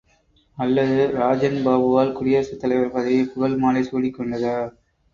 அல்லது ராஜன்பாபுவால் குடியரசுத் தலைவர் பதவி புகழ்மாலை சூடிக் கொண்டதா?